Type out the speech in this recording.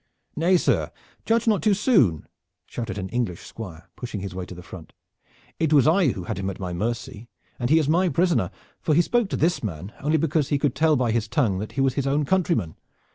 "Nay, sir, judge not too soon!" shouted an English squire, pushing his way to the front. "It was I who had him at my mercy, and he is my prisoner, for he spoke to this man only because he could tell by his tongue that he was his own countryman.